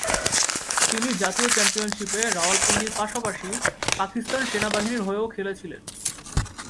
তিনি জাতীয় চ্যাম্পিয়নশিপে রাওয়ালপিন্ডির পাশাপাশি পাকিস্তান সেনাবাহিনীর হয়েও খেলেছিলেন।